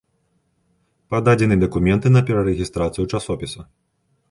Пададзены дакументы на перарэгістрацыю часопіса.